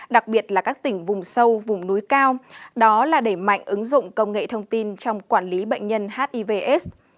đặc biệt là các tỉnh vùng sâu vùng núi cao đó là để mạnh ứng dụng công nghệ thông tin trong quản lý bệnh nhân hivs